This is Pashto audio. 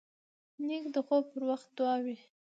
نیکه د خوب پر وخت دعا وايي.